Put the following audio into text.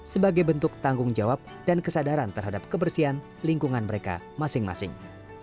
sebagai bentuk tanggung jawab dan kesadaran terhadap kebersihan lingkungan mereka masing masing